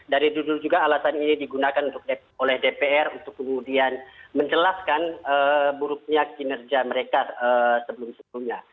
dari dulu juga alasan ini digunakan oleh dpr untuk kemudian menjelaskan buruknya kinerja mereka sebelum sebelumnya